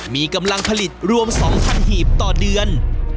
มีกำลังผลิตรวม๒๐๐หีบต่อเดือน